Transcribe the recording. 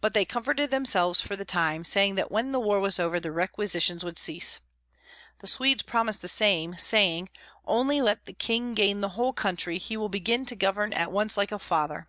But they comforted themselves for the time, saying that when the war was over the requisitions would cease. The Swedes promised the same, saying, "Only let the king gain the whole country, he will begin to govern at once like a father."